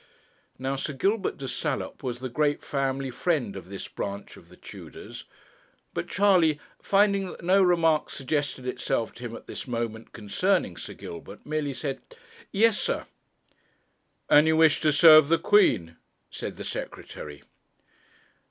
Now Sir Gilbert de Salop was the great family friend of this branch of the Tudors. But Charley, finding that no remark suggested itself to him at this moment concerning Sir Gilbert, merely said, 'Yes, sir.' 'And you wish to serve the Queen?' said the Secretary.